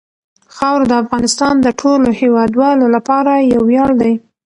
خاوره د افغانستان د ټولو هیوادوالو لپاره یو ویاړ دی.